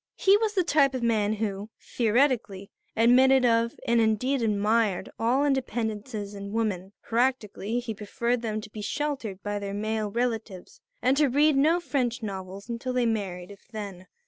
He was the type of young man who, theoretically, admitted of and indeed admired all independences in women; practically he preferred them to be sheltered by their male relatives and to read no French novels until they married if then.